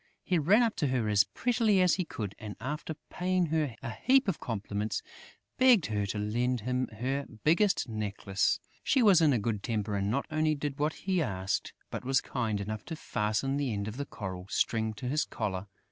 He ran up to her as prettily as he could and, after paying her a heap of compliments, begged her to lend him her biggest necklace. She was in a good temper and not only did what he asked, but was kind enough to fasten the end of the coral string to his collar.